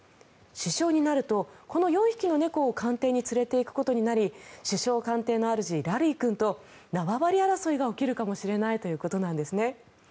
首相になると、この４匹の猫を官邸に連れていくことになり首相官邸のあるじラリー君と縄張り争いが起きるかもしれないということなんです。